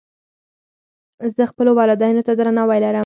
زه خپلو والدینو ته درناوی لرم.